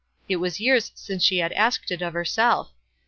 It was years since she had asked it of herself.